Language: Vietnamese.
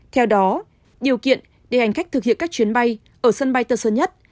theo đó điều kiện để hành khách thực hiện các chuyến bay ở sân bay tân sơn nhất